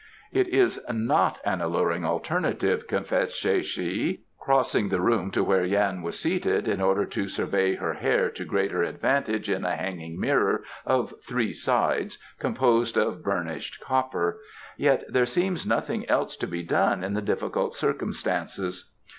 "It is not an alluring alternative," confessed Tsae che, crossing the room to where Yan was seated in order to survey her hair to greater advantage in a hanging mirror of three sides composed of burnished copper; "but there seems nothing else to be done in the difficult circumstances."